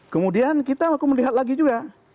kemudian kita waktu melihat lagi juga